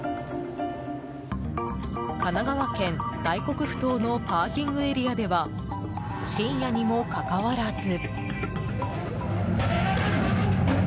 神奈川県大黒ふ頭のパーキングエリアでは深夜にもかかわらず。